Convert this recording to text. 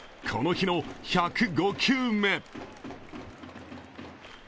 この日の１０５球目。